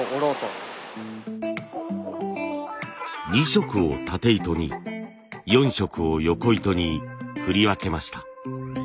２色をたて糸に４色をよこ糸に振り分けました。